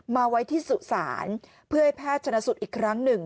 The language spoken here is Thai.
มาไว้ที่สุสานเพื่อให้แพทย์ชนะสูตรอีกครั้งหนึ่ง